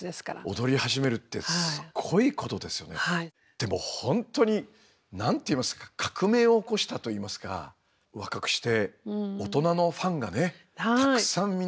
でも本当に何ていいますか革命を起こしたといいますか若くして大人のファンがねたくさんみんな。